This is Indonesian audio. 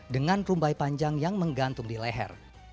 dengan rumbai panjang yang menggantung di leher